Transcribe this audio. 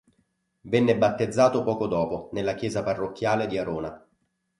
Venne battezzato poco dopo nella chiesa parrocchiale di Arona.